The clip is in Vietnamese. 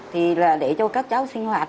thì là để cho các cháu sinh hoạt